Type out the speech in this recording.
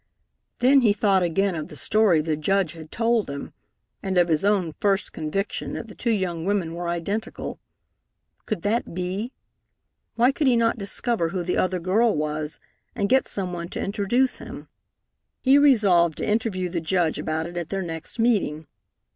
Then he thought again of the story the Judge had told him, and of his own first conviction that the two young women were identical. Could that be? Why could he not discover who the other girl was, and get some one to introduce him? He resolved to interview the Judge about it at their next meeting.